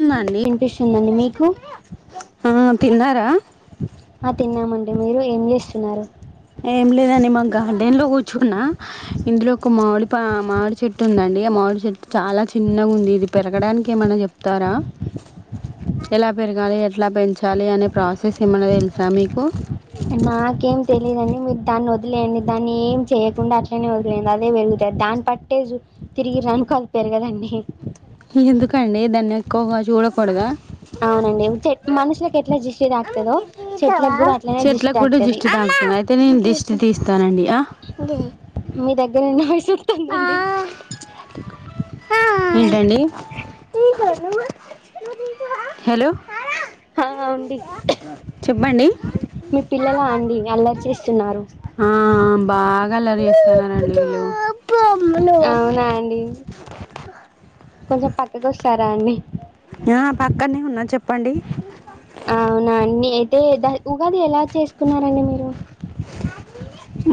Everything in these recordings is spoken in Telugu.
[unintelligible] దండి వినిపిస్తుందండి మీకు ఆ తిన్నారా డి మీరు ఏం చేస్తున్నారు ఏం లేదండి మా గార్డెన్ లో కూర్ చున్న ఇందులో ఒక మామిడి పా మామిడి చెట్టు ఉందండి ఆ మామిడి చెట్టు చాలా చిన్నగుంది ఇది పెరగడానికి ఏమైనా చెప్తారా ఎలా పెరగాలి ఎట్లా పెంచాలి అనే ప్రాసెస్ ఏమన్నా తెలుసా మీకు మాకేం తెలీదండి మీరు దాన్ని వదిలేయండి దాన్ని ఏం చేయకుండా అట్లనే వదిలేయండి అదే పెరుగుది దాన్ని పట్టే సు తిరిగిర్రనుకో అది పెరగదండి ఎందుకండి దాన్ని ఎక్కువగా చూడకూడదా అవునండి మ్ చె మనసులకి ఎట్ల జె దిష్టి చెట్లకు కూడా తాకుతుంది దృష్టి తా [unintelligible] అయితే నేను దిష్టి తీస్తానండి ఆ మీ దగ్గర నాయిస్ వస్తుందండి ఏంటండి హలో హా ఔన్ డి చెప్పండి మీ పిల్లలా అండి అల్లరి చేస్తున్నారు గల్లరి చేస్తున్నారండి వీళ్ళీ అవునా అండి కొంచెం పక్కకొస్తారా అండి ఆ పక్కన్నే ఉన్నా చెప్ ప్పండి అవునా ని అయితే ద ఉగాది ఎలా చేసుకున్నారండి మీరు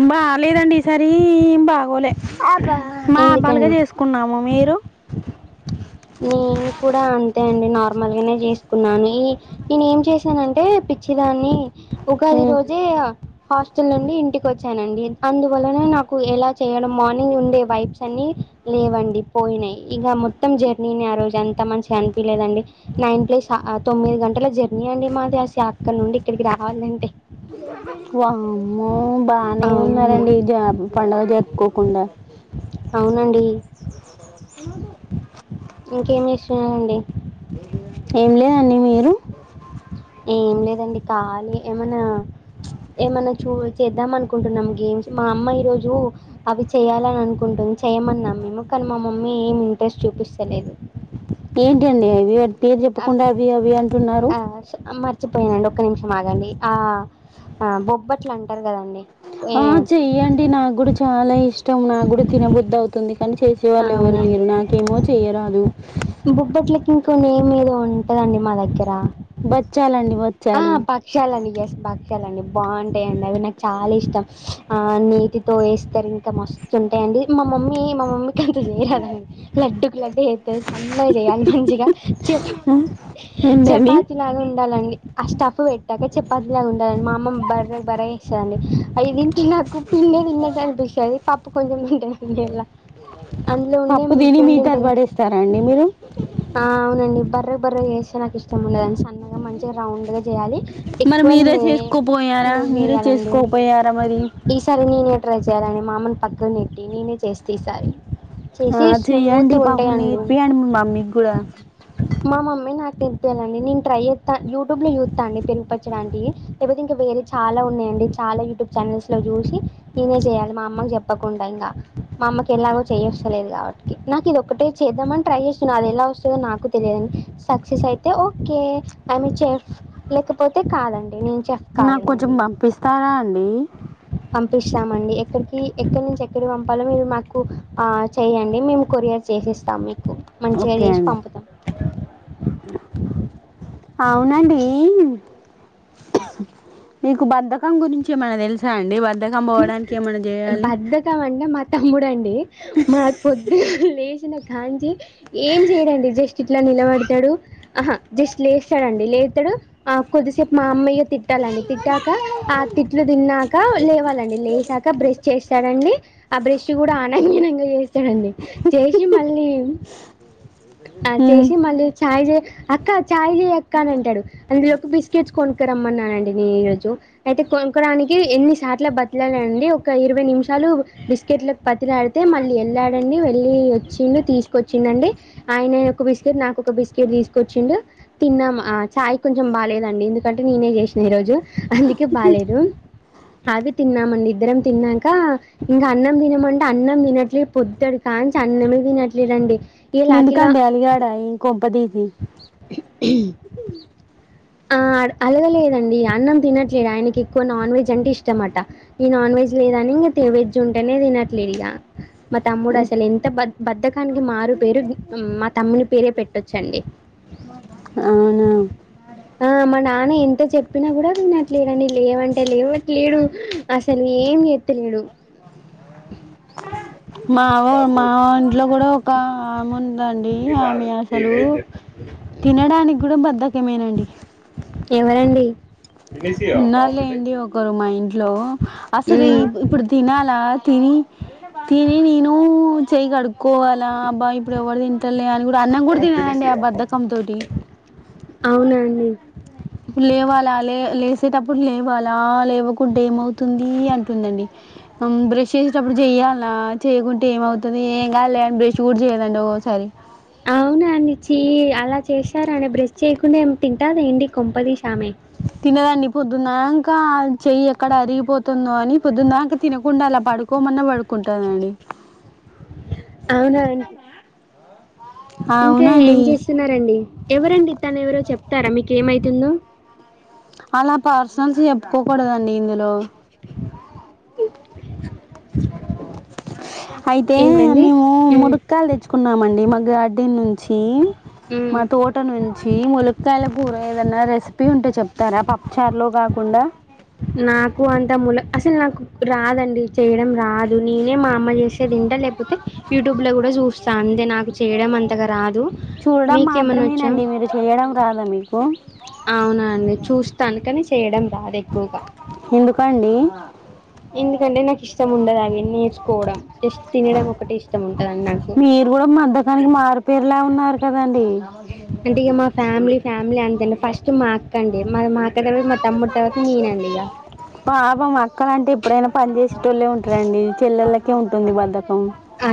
బాలేదండి ఈసారి ఏం బాగోలే మార్మలుగా ఎందుకండి చేసుకున్నాము మీరు నేను కూడా అంతే అన్ నార్మల్ గానే చేసుకున్నాను ఈ నేనేం చేశానంటే పిచ్చిదాన్ని ఉగాది రోజే హాస్టల్ నుండి ఇంటికొచ్ చానండి అందువలన నాకు ఎలా చెయ్యడం మార్నింగ్ ఉండే వైప్స్ అన్ని లేవండి పోయినాయి ఇక మొత్తం జ నేను ఆ రోజు అంత మంచిగా అనిపిలేదండి నైన్ ప్లస్ అ ఆ తొమ్మిది గంటల జర్ మి అండి మాది అది శాత్తానుండి ఇక్కడికి రావాలంటే వామ్మో బానే అవునండి. ఉన్నారండి జాబ్ పండుగ జేత్ కోకుండా అవునండి ఏమదు ఇంకేం చేషినా అండి ఏం లేదండి మీరు ఏం లేదండి కాలి ఏమన్నా ఏమన్నా చూ చేద్దాం అనుకుంటున్నాం గేమ్స్ మా అమ్మ ఈ రోజు అవి చేయాలననుకు కుంటుంది చేయమన్నా మేము కానీ మా మమ్మీ ఏమ్ ట్రెస్ చూపిస్తలేదు ఏంటివండి అవి పేరు చెప్పకుండా అవి అవి అంటున్నారు మచ్చిపోయానండి ఒక నిమిషం ఆగండి ఆ బొబ్బట్లు అంటారు కదన్ ఆ చెయ్యండి నాకు కూడా చాలా ఇష్ ష్టం నాక్కూడ తినబుద్దవుతుంది కాని చేసే వాళ్ళు ఎవరు అవునండి లేరు నాకేమో చేయ్యరాదు బొబ్బట్లకి ఇంకో నేమ్ ఏదో ఉన్ టదండి మా దగ్గర బచ్చాలండి ఆ బచ్చాలు పక్షాలని చేస బా లండి బాన్ టాయండి అండి అవి నాక్ చాలిష్టం ఆ నీటితో ఏస్తారు ఇంకా మస్తుంటాయండి మా మమ్మీ మా మమ్మీ [unintelligible] రాదండి లడ్డుకు లడ్డు చేత్తది సన్నగా చేయాలి మంచిగా చపా ఏంటండి చపాతి లాగ ఉండాలండి అష్ట పప్పు పెట్టాక చపాతి లాగా ఉండాలండి మా అమ్మ బర్రె బర్రె చేేస్తదండి అయి తింటే నాకు పిండే తిన్నట్టు అనిపిస్తుంది పప్ ప్పు కొంచెం హి అందులో ఉండే పప్పు తిని పిండి ఉంటది మిగతాది కదా పడేస్తారా అండి మీరు ఆ అవునండి బర్ రె బర్రె గా చేస్తే నాకిష్టముండదండి సన్న రౌండ్గా చేయాలి మరి ఎక్కువ మీరే నె చేసుకోపోయారా నెయ్యి మీరే ఏయాలండి చేసుకోపోయారా మరి ఈసారి నేనే ట్రై చేయాలని మామని పక్కన నెట్టి నేనే చేస్తీసారి ఆ చెయ్యండి పాపం నేర్పియండి మీ మమ్మీకి కూడా నేర్పియలండి నేన్ ట్రై చేత్త యూ యూటూబ్ లో చూత్త అండి పెరుపచ్చడాంటివి లేకపోతే ఇంకా వేరే చాలా ఉన్నాయండి చాలా యూట్యూబ్ ఛానల్స్ లో చూసి నేనే చేయాలి మా అమ్మకి చెప్పకుండా ఇంకా మా అమ్మకి ఎలాగో చేయస్తలేదు కాబట్టి నాకు ఇది ఒకక్కటే చేద్దామని ట్రై చేస్తున్నా అది ఎలా వస్తుందో నాకు తెలియదుండి సక్సెస్ అయితే ఓకే ఐ మీ చే లేకపోతే కాదండి నేను నాకు కొంచెం కాలేనండి ఇక పంపిస్తారా అండి పంపిస్తామండి ఎక్కడికి ఎక్కడి నుంచి ఎక్కడికి పంపాలో మీరు మాకు చెయ్యండి మేము కొరియర్ చేసిస్తాము మీక్ మంచిగా ఓకే చేసి అండి పంపుతాం అవునండి మీకు బద్ధకం గురించి ఏమన్నా తెలుసా అండి బద్ బధ్దకం అంటే మా తమ్ముడండి మ పొద్దుగల లే జీనకాంచి ఏం చేయడండి జస్ట్ ఇట్లా నిలబడతాడు ఆహా జస్ట్ లేస్తాడుడి లేస్తాడు కొద్దిసేపు మా అమ్మయిగ తిట్టాలండి తిట్టాక ఆ తిట్లు తిన్నాక లేవాలండి లేసాక బ్రష్ చేస్తాడండి ఆ బ్రష్ కూడా ఆనంగా చేస్తడండి చేసి మళ్ళీ ఆ చేసి మళ్ళీ ఛాయ్ చే అక్క ఛాయ్ జెయి అక్క అని అంటడు అందులో బిస్కెట్స్ కొన్క రమ్మన్నానండి నేను ఈ రోజు అయితే కొనుక్కడానికి ఎన్నిసార్ల బ ట్లాండి ఒక ఇరవై నిమిషాలు బిస్కెట్ల పతిలాడితే మళ్ళీ వెళ్ళాడండి వెళ్ళలి వచ్చిండు తీసుకొచ్చిందండి ఆయన డండి ఒక బిస్కెట్ నాక ఒక బిస్కెట్ తీసుకొచ్చిండు తిన్నాము చాయ్ కొంచెం బాలేదండి ఎందుకంటే నేనే చేశిన ఈ రోజు అందుకె బాలెదు అవి తిన్నామండి ఇద్దరం తిన్నాక ఇంకా అన్నం తినమంటే అన్నం తినట్లేదు పొద్దడికాంచి అన్నమే తనట్లేండి నందుకండి అలిగడ ఆయి కొంపతీసి హుమ్ ఆ అలగలేదండి అన్నం తినట్లేదు ఆయనకి ఎక్కువ నాన్ వెజ్ అంటే ఇష్టమట ఈ నాన్ వెెజ్ లేదని ఇంకా వెజ్ ఉంటేనే తినట్లేదు ఇక మా తమ్ముడు అసలు ఎంత బ బద్దకానికి మారు పేరు మా తమ్ముని పేరే పెట్టొచ్చండి అవునా ఆ మా నాన్న ఎంత చెప్పినా కూడా వినట్లేడండి లేవంటే లేవట్లేడు అసలు ఏం చెత్తలేడు మావ మా ఇంట్లో కూడా ఒక ఆమె ఉందండి ఆమె అసలు తినడానికి కూడా బద్దకమేనండి ఎవరండి ఉన్నార్లేండి ఒకరు మా ఇం ట్లో అసలు హ్మ్. ఇప్పుడు తినాలా తిని తిని నిను చెయగడుకు కోవాలా అబ్బా ఇప్పుడు ఎవరు తింటలే అని కూడా అన్నం కూడా తినదండి ఆ బద్దకం తోటి అవునా అండి? లేవాలా లే లెస్ వసేటప్పుడు లేవాలా లేవకుంటె ఏమవుతుంది అంటుందండి బ్రష్ చేసేటప్పుడు చెయ్యాలా చేయకుంటే ఏమవుతుంది ఏం కాాలె అని బ్రష్ కూడా చేయ్యదండి ఒక్కొసారి అవునాండి చి అలా చేశార అని బ్రష్ చేయకుండా ఏమితి ఎా దేండి కొంపది షామే తినదండి పొద్దునంకా చెయ్యి ఎక్కడ అరిగిపోతుందో అని పొద్దుందాక తినకుండా అలా పడుకోమన్నా పడుకో అవునా ఇంకా ఏం అవునండి చేస్తున్నారండి ఎవరండి తను ఎవరో చెప్తారా మీక ఏమైతా ఉందొ అలా పార్స్నల్స్ చెప్పుకోకూడద నీంద్లో ఇం హ అయితే ఏంటండి మేము ఉమ్, ముడక్కయలు తెచ్చుకున్నామండి మా గార్డ్డ నుంచి మా ఉమ్. తోట నుంచి ముల తలపూర ఏదన్నా రెసిపీ ఉంటే చెప్తారా పప్పుచార్లో కాకుండా నాకు అంటే ములక్ అసలు నాకు కు రాదండి, చేయడం రాదు. నేనే మా అమ్ అమ్మ చేస్తే తింట, లేకపోతే యూట్యూబ్ లో కూడా చూస్తా అంతే. నాకు చేయడం అంతగా రాదు. చూడడం మీకేమన్నా వచ్చా? మాత్రమేనండి మీరు చేయడం రాదా మీకు అవునండి చూస్తా, అందుకనే చ్ చేయడం రాదేక్ ఎందుకండి? ఎందుకంటే నాకు ఇష్టం ఉండదు అవి నేర్చుకోవడం, జస్ట్ తినడం ఒకటి ఇష్టం ఉంటదండి నాకు. మీరు కూడా మద్దకానికి మారుపేరులా ఉన్నారు కదండి అంటే ఇగ మా ఫ్యామిలీ ప్యామ్ ఫ్యామిలీ అంతె అండి. ఫస్ట్ మా అక్కఅండి. మర్ మా అక్క తర్వాత, మా తమ్ముడు తర్వాత, నేనండి ఇగ. పాపం అక్కలంటే ఎప్పుడైనా పనిచేసేటోళ్లే ఉంటరండి. చెల్లెలకే ఉంటుంది బద్దక్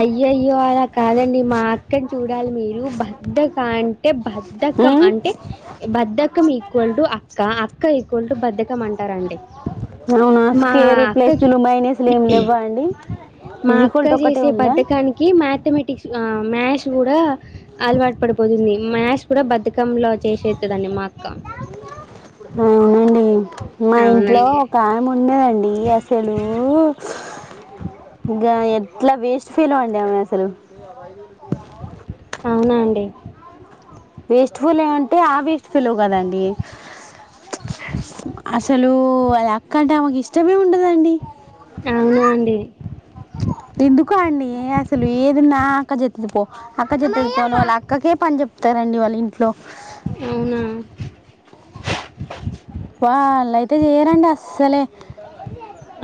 అయ్యయ్యో అలా కాదండి, మా అక్కని చూడ్ డాలి మీరు? బద్దకా టే బధకం ఉమ్ అంటే, బద్దకం ఈక్వల్ టు అక్క. అక్ క్క ఈక్వల్ టు బద్దకం అంటారండి. అవునా. మా స్కేరు, అక్క చూ- ప్లస్లు, మైనస్లు ఏమి లేవ్వ అండి? ఇజిక్వల్ట్ ఒకటెన్ తె బద్దకానికి మ్యాథమెటిక్స్, ఆ మ్యాస్ తు కూడా అలవాటు పడిపోతుంది, మ్యాస్ కూడా బద్ధకం లో చేసేద్ అవునండి, మా ఇంట్లో అవునండి ఒక ఆమె ఉన్నదండి. ఇగసలూ గ ఎట్ల వేస్ట్ ఫెలో అండామే అసలు. తో అవయిది వీలు తీయాలి [unintelligible] అవునా అండి వేస్ట్ ఫెలో ఏమంటే ఆ వేస్ట్ ఫెలో కాదండి. అసలు అది అక్క అంటే ఆమేకు ఇష్టమే ఉండదండి. అవునా అండి? ఎందుకో అండి? అసలు ఏదున్నా అక్క చెత్తది పో. అక్ అక్క చెత్తది పో అని, ఆళ్ళ అక్కకే పని చెప్తారండి వాళ్ళింట్లో. అవునా వాళ్లయితే చేయరండి అస్సలే.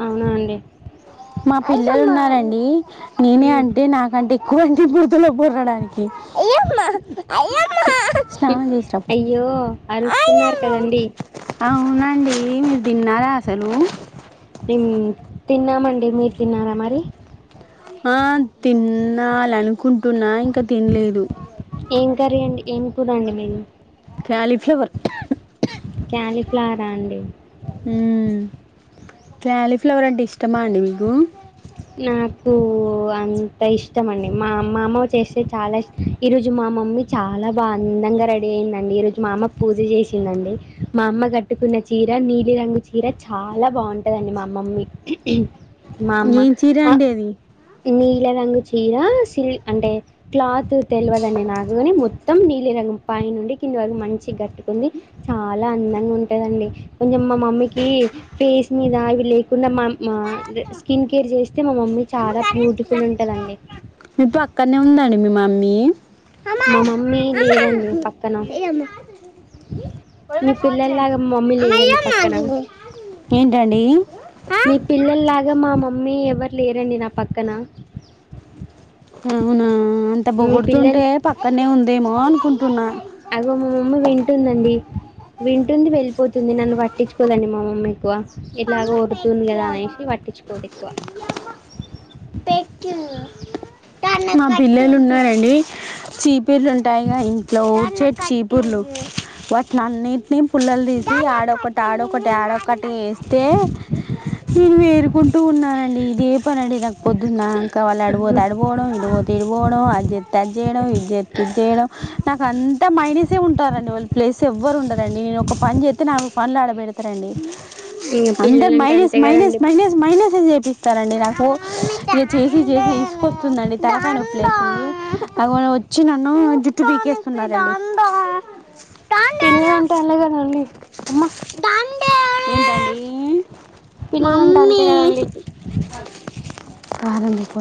అవునా అండి. మా పిల్లలున్నారండి? నేనే హ్మ్. అంటే, నాకంటే ఎక్కువె చు ఇ బురతలో బొర్రడానికి. అ అయ్యో! అరుస్తున్నారు కదండీ! అవునండి మీరు తిన్నరా అసలు? మేము తిన్నామండి, మీర్ తిన్నారా మరి? ఆ తిన్నాలనుకుంటున్నా ఇంకా తిన్లేదు ఏం కర్రి అండి ఏం కూర అండి మీది క్యాలీఫ్లవర్ క్యాలిఫ్లవరా అండి ఉ క్యాలిఫ్లవర్ అంటే ఇష్టమా అండి మీకు నాకు అంత ఇష్టమండి మా అమ్మ మాఅమ్మ మా చేస్తే చాలా ఇష్ ఈరోజు మా మమ్మీ చాలా బా అందంగా రెడీ అయిందండి ఈరోజు మా అమ్మ పూజ చేసిందండి మా అమ్మ కట్టుకున్న చీర నీలి రంగు చీర చాలా బాగుంటదండి మా మమ్మీ మా అమ్మ చిరండేది నీళ్ళ రంగు చీర సిల్ అంటే క్లాత్ తెలువదండి నాకుగాని మొత్ మొత్తం నీలి రంగు పై నుండి కింది వరకు మంచి కట్టుకుంది చాలా అందంగా ఉంటదండి కొంచెం మా మమ్మీకి ఫేస్ మీద ఇవి లే కుంద మా అమ్మ స్కిన్ కేర్ చేస్తే మా మమ్మీ చాలా బ్యూటిఫుల్ ఉంటదాండి మీయి మా మమ్మీ లేదండి పక్కన మీ పిల్లల్లాగా మా మమ్మీ లేదండి పక్కన ఏంటండి ఇగా మా మమ్మీ ఎవరు లేరండి నా పక్కన అవునా అంత మీ బొగుడుతుంటే పిల్లలు పక్కనే ఉంది దే మో అనుకున్న అగో మా మమ్మీ వింటుందండి వింటుంది వెళ్ళిపోతుంది నన్ను వట్టించుకోదండి మా మమ్మీ ఎక్కువ ఎట్లాగో ఒరుతుంది కదా అనేసి పట్టించుకోదు ఎక్కువ మా పిల్లలు ఉన్నా న్నారండి చీపిర్లు ఉంటాయి గా ఇంట్లో ఊడ్చే చీపుర్లు వాట్లన్ని నేను పుల్లలు తీసి ఆడొకటి ఆడ ఒకటి ఆడ ఒకటి తే ఇన్నె ఎరుకుంటూ ఉన్నానండి ఇదే పని అండి నాకు పొద్దున్న దాంకా వాళ్ళు అడుపోతే అడుపోవడం ఇడుపోతే ఇడిపోవడం అజే ట జేయడం ఇది చేతే ఇదిచేయడం నాకు అంత మైనిస్ తే ఉంటారండి వాళ్ళు ప్లేస్ ఎవ్వరు ఉండరండి నేను ఒక పని చెత్తే నాలుగు పనులు ఆడబేడుతారండి ఇంక అందరు పిల్లలంటే మైనస్ అంతే మైనస్ కదండి మైనస్ మైనస్ చేపిస్తారండి నాకు ఇగ చేసి చేసి విసుగొస్తుంది అండి తలకాయ నొప్పి లకు అగో నా వచ్చి నన్ను జుట్టు పీకేస్తున్నారండి పిల్లలంటే అలా కదండి అమ్మ ఏంటండి పిల్లలంటే అంతే కదండి దారం తే పో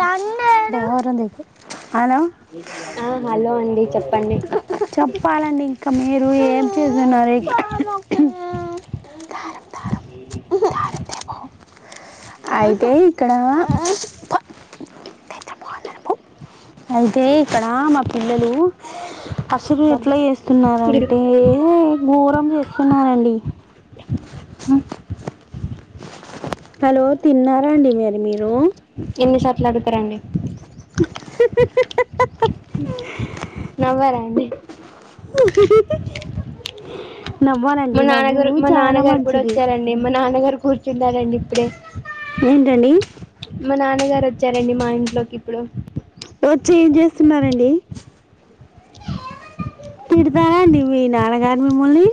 దారం తే పో హలో ఆ హలో అండి చెప్పండి చెప్పాలండి ఇంకా మీరు ఏం చేస్తున్నారు ఇ అయితే ఇక్కడ మళ్లనే ప్పు అయితే ఇక్కడ మా పిల్లలు అసలు ఎట్లా బాబెట్ గిడిపి చేస్తున్నారంటే ఘోరం చేస్తున్నారండి ఉ హలో తిన్నారా అండి మరి మీరు ఎన్ని సాట్లడుగుతారండి నవ్వారాండి నవ్వాలండి మా నవ్వు నాన్నగారు మా చాలా నాన్నగారు కూడా మంచిది వచ్చారండి మా నాన్నగారు కూ చున్నారండి ఇప్పుడే ఏంటండి మా నాన్నగారు వచ్చారండి మా ఇంట్లోకి ఇప్పుడు వచ్చి ఏం చేస్తున్నారంండి, తిడతారా అండి మీ నాన్నగారు మిమ్ముల్ని.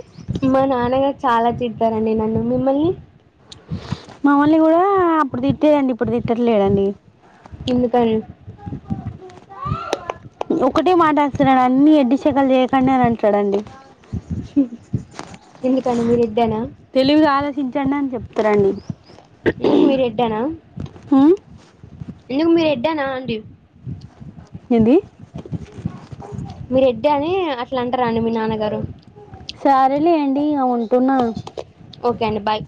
మా నాన్నగారు చాలా తిట్టరండి నన్ను మిమ్మల్ని ఆ అప్పుడు తిట్టేదండి ఇప్పుడు తిట్టట్లేదండి ఇందు కనీ ఒకటే మాట్లాడుతున్నాడు అన్ని ఎడ్డి షెకలు చేయకుండి అని అంటాడండి ఎందుకండి మీరిద్ తెలుగుల ఆలోచించండి అని చెప్ త్రండి ఇంకు మీరెడ్డనా ఎందుకు మీరు ఎడ్డనా అండి ఏంది మీరు ఎడ్డడి అని అట్లా అంటరాండి మీ నాన్నగారు సరేలే అండి అ ఉంటున్నా ఓకే అండి బయ్